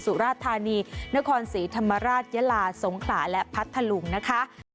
สุราธานีนครศรีธรรมราชยะลาสงขลาและพัทธลุงนะคะ